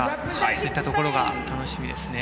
そういったところが楽しみですね。